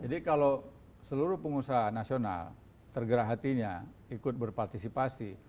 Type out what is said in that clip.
jadi kalau seluruh pengusaha nasional tergerak hatinya ikut berpartisipasi